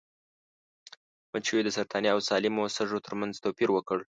مچیو د سرطاني او سالمو سږو ترمنځ توپیر وکړ.